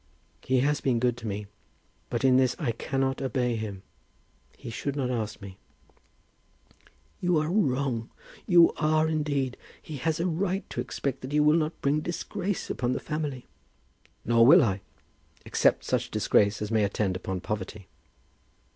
"He has been good to me, but in this I cannot obey him. He should not ask me." "You are wrong. You are indeed. He has a right to expect that you will not bring disgrace upon the family." "Nor will I; except such disgrace as may attend upon poverty.